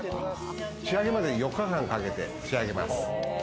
仕上げまで４日間かけて仕上げます。